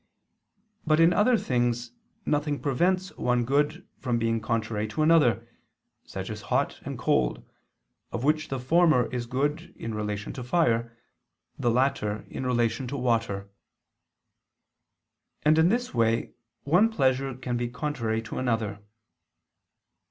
But in other things nothing prevents one good from being contrary to another, such as hot and cold, of which the former is good in relation to fire, the latter, in relation to water. And in this way one pleasure can be contrary to another.